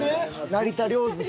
成田凌寿司？